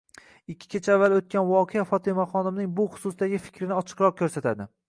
Ikki kecha avval o'tgan voqea Fotimaxonimning bu xususdagi fikrini ochiqroq ko'rsatadi.